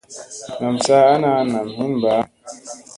Nam saa ana nam hin mbaa.